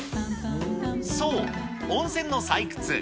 そう、温泉の採掘。